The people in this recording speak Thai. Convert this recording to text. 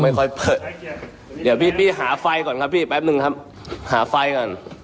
ค่อยเปิดเดี๋ยวพี่พี่หาไฟก่อนครับพี่แป๊บนึงครับหาไฟก่อน